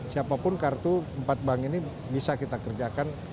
siapapun kartu empat bank ini bisa kita kerjakan